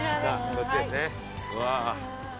こっちですね。